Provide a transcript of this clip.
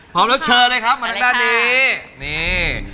พร้อมแล้วเชิญเลยครับมาทางด้านนี้นี่